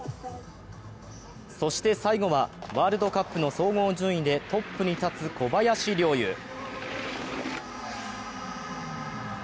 そして最後は、ワールドカップの総合順位でトップに立つ小林陵侑。